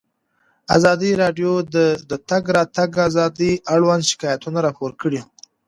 ازادي راډیو د د تګ راتګ ازادي اړوند شکایتونه راپور کړي.